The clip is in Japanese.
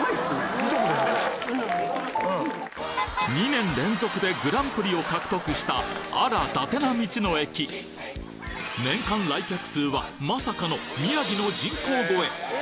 ２年連続でグランプリを獲得したまさかの宮城の人口超え！